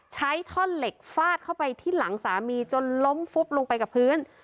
ใช้ท่อนเหล็กฟาดเข้าไปที่หลังสามีจนล้มฟุบลงไปกับพื้น